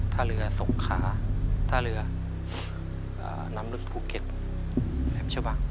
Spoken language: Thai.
ท่าเรือสงขาท่าเรือน้ำลึกภูเก็ตแหลมชะบัง